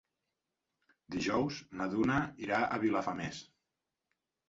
Dijous na Duna irà a Vilafamés.